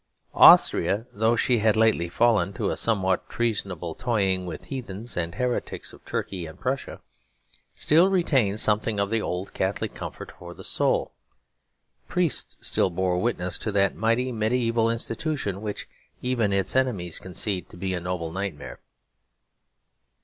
Austria, though she had lately fallen to a somewhat treasonable toying with heathens and heretics of Turkey and Prussia, still retained something of the old Catholic comfort for the soul. Priests still bore witness to that mighty mediaeval institution which even its enemies concede to be a noble nightmare.